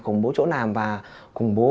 khủng bố chỗ làm và khủng bố